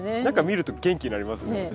何か見ると元気になりますね